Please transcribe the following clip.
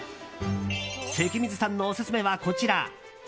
関水さんのオススメは、こちら。